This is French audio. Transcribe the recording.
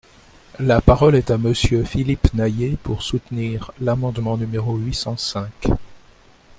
La parole est à Monsieur Philippe Naillet, pour soutenir l’amendement numéro huit cent cinq.